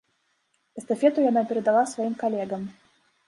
Эстафету яна перадала сваім калегам.